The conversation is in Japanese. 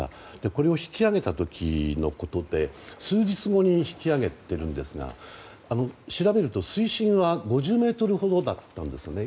これを引き揚げた時のことで数日後に引き揚げているんですが調べると水深は５０ｍほどだったんですよね。